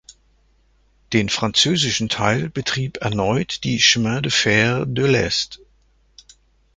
Den französischen Teil betrieb erneut die "Chemin de fer de l’Est".